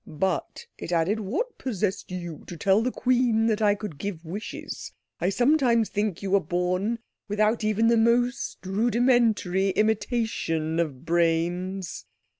"But," it added, "what possessed you to tell that Queen that I could give wishes? I sometimes think you were born without even the most rudimentary imitation of brains."